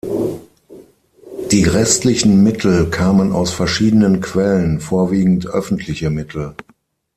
Die restlichen Mittel kamen aus verschiedenen Quellen, vorwiegend öffentliche Mittel.